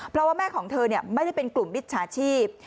เพราะว่าแม่ของเธอไม่ได้เป็นกลุ่มมิจฉาชีพ